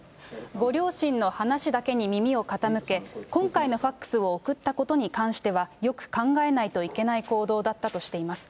ご両親の話だけに耳を傾け、今回のファックスを送ったことに関しては、よく考えないといけない行動だったとしています。